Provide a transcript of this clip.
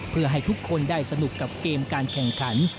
เพื่อให้ทุกคนได้สนุกกับเกมการแข่งขัน